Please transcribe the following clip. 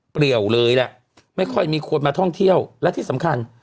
เรียวเลยแหละไม่ค่อยมีคนมาท่องเที่ยวและที่สำคัญ